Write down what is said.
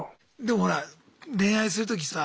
でもほら恋愛するとき